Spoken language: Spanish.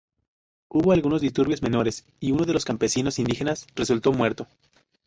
Hubo algunos disturbios menores, y uno de los campesinos indígenas resultó muerto.